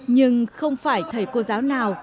nhưng không phải thầy cô giáo nào